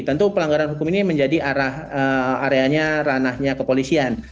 tentu pelanggaran hukum ini menjadi areanya ranahnya kepolisian